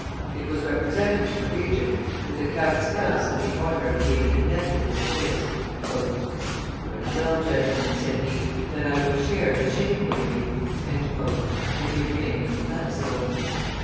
It was represented to the Regent that the count's house had the honor of being connected with his. "Very, well, gentlemen," said he, "then I will share the shame with you," and he remained inflexible.